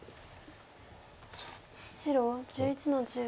白１１の十。